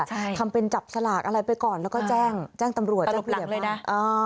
ใช่ทำเป็นจับสลากอะไรไปก่อนแล้วก็แจ้งล๊อบหลังเลยนะมา